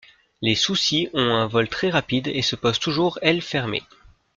Les Soucis ont un vol très rapide et se posent toujours ailes fermées.